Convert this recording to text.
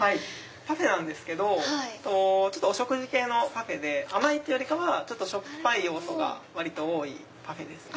パフェなんですけどお食事系のパフェで甘いっていうよりかはしょっぱい要素が多いパフェです。